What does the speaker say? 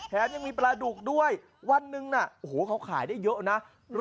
แถมยังมีปลาดุกด้วยวันหนึ่งน่ะโอ้โหเขาขายได้เยอะนะ